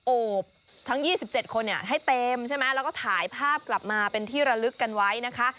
โอบทั้ง๒๗คนให้เต็มใช่ไหมแล้วก็ถ่ายภาพกลับมาเป็นที่ระลึกกันไว้นะคะ